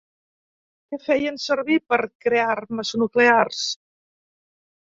Què feien servir per crear armes nuclears?